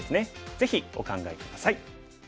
ぜひお考え下さい。